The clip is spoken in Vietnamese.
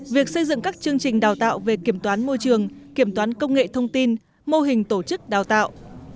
việc xây dựng các chương trình đào tạo về kiểm toán môi trường kiểm toán công nghệ thông tin mô hình tổ chức đào tạo